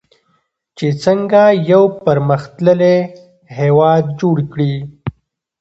چې څنګه یو پرمختللی هیواد جوړ کړي.